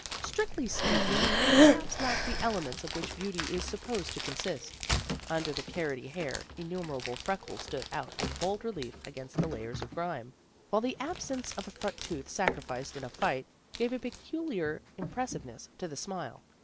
Strictly speaking, it perhaps lacked the elements of which beauty is supposed to consist. Under the carroty hair, innumerable freckles stood out in bold relief against the layers of grime, while the absence of a front tooth sacrificed in a fight, gave a peculiar impressiveness to the smile.